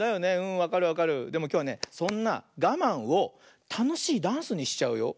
でもきょうはねそんながまんをたのしいダンスにしちゃうよ。